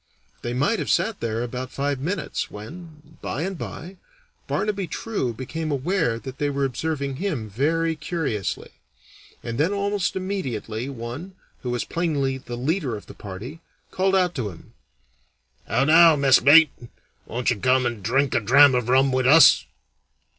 They might have sat there about five minutes, when, by and by, Barnaby True became aware that they were observing him very curiously; and then almost immediately one, who was plainly the leader of the party, called out to him: "How now, messmate! Won't you come and drink a dram of rum with us?"